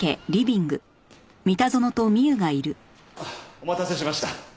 お待たせしました。